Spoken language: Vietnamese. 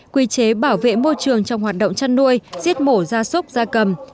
quy chế bảo vệ môi trường trong hoạt động chăn nuôi giết mổ ra súc ra cầm